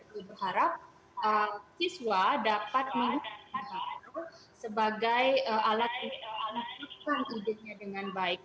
kita berharap siswa dapat menggunakan bahasa itu sebagai alat untuk mengambil ide ide nya dengan baik